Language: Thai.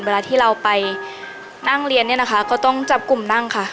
เวลาที่เราไปนั่งเรียนเนี่ยนะคะก็ต้องจับกลุ่มนั่งค่ะ